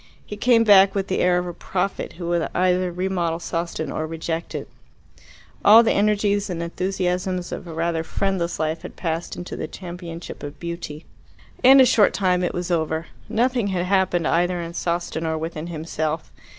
He came back with the air of a prophet who would either remodel Sawston or reject it. All the energies and enthusiasms of a rather friendless life had passed into the championship of beauty. In a short time it was over. Nothing had happened either in Sawston or within himself.